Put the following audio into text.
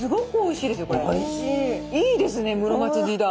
いいですね室町時代。